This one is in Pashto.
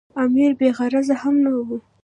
امیر بې غرضه هم نه وو.